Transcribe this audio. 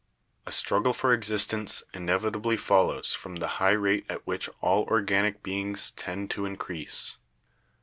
"A struggle for existence inevitably follows from the high rate at which all organic beings tend to increase.